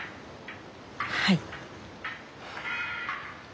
はい。